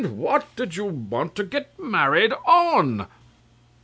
And what did you want to get married on?